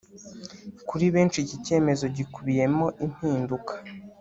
Kuri benshi iki cyemezo gikubiyemo impinduka